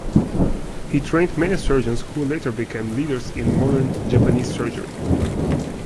He trained many surgeons who later became leaders in modern Japanese surgery.